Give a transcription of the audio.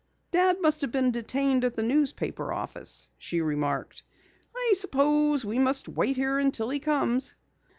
"Dad must have been detained at the newspaper office," she remarked. "I suppose we must wait here until he comes."